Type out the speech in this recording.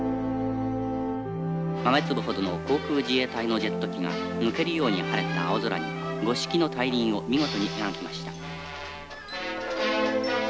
「豆粒ほどの航空自衛隊のジェット機が抜けるように晴れた青空に５色の大輪を見事に描きました」。